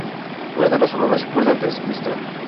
Una de sus obras más importantes, "Mr.